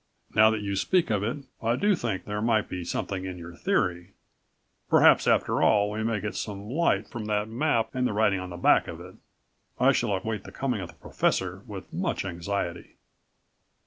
Now that you speak of it, I do think there might be something in your98 theory. Perhaps after all we may get some light from that map and the writing on the back of it. I shall await the coming of the professor with much anxiety."